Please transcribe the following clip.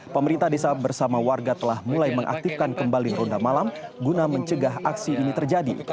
pemerintah desa bersama warga telah mulai mengaktifkan kembali ronda malam guna mencegah aksi ini terjadi